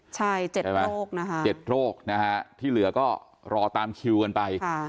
ใช่๗โรคนะคะ๗โรคนะฮะที่เหลือก็รอตามคิวกันไป